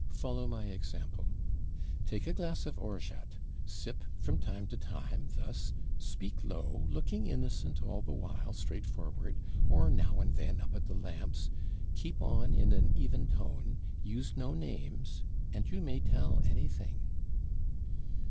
Follow my example. Take a glass of orgeat sip from time to time, thus speak low, looking innocent all the while straight forward, or now and then up at the lamps keep on in an even tone use no names and you may tell anything.'